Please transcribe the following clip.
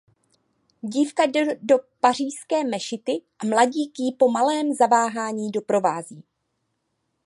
Dívka jde do pařížské mešity a mladík ji po malém zaváhání doprovází.